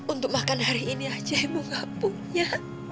untuk makan hari ini aja ibu nggak punya